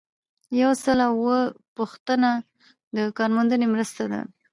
یو سل او اووه پوښتنه د کارموندنې مرسته ده.